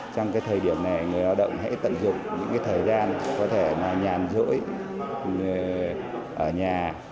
trong cái thời điểm này người lao động hãy tận dụng những thời gian có thể nhàn rỗi ở nhà